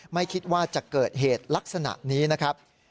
ไม่คิดว่าจะเกิดเหตุลักษณะนี้นะครับ